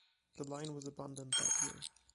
The line was abandoned that year.